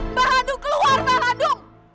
mbah lanu keluar mbah lanu